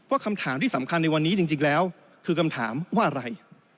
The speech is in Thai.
คำถามที่สำคัญในวันนี้จริงแล้วคือคำถามว่าอะไร